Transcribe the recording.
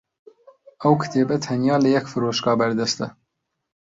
ئەو کتێبە تەنیا لە یەک فرۆشگا بەردەستە.